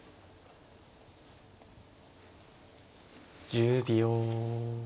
１０秒。